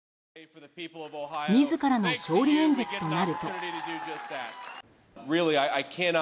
自らの勝利演説となると。